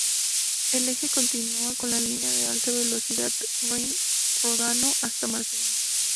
El eje continúa con la línea de alta velocidad Rin-Ródano hasta Marsella.